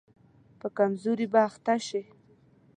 په کمزوري به اخته شي.